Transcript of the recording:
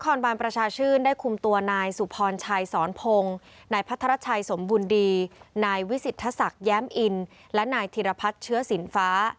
บาลประชาชื่นได้คุมตัวนายสุพรชัยสอนพงศ์นายพัทรชัยสมบุญดีนายวิสิทธศักดิ์แย้มอินและนายธิรพัฒน์เชื้อสินฟ้า